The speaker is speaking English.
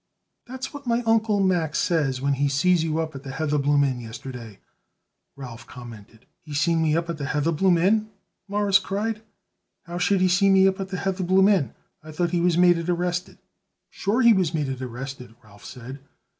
"That's what my Uncle Max says when he seen you up at the Heatherbloom Inn yesterday," Ralph commented. "He seen me up at the Heatherbloom Inn!" Morris cried. "How should he seen me up at the Heatherbloom Inn? I thought he was made it arrested." "Sure he was made it arrested," Ralph said.